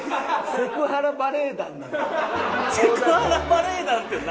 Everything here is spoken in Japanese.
セクハラバレエ団ってなんや！